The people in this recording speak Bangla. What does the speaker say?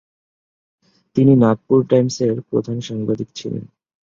তিনি নাগপুর টাইমসের প্রধান সাংবাদিক ছিলেন।